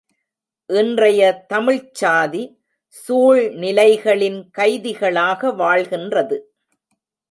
இன்றைய தமிழ்ச்சாதி, சூழ்நிலைகளின் கைதிகளாக வாழ்கின்றது.